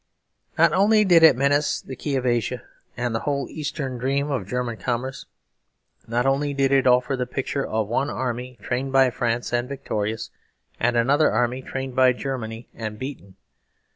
Not only did it menace the key of Asia and the whole Eastern dream of German commerce; not only did it offer the picture of one army trained by France and victorious, and another army trained by Germany and beaten.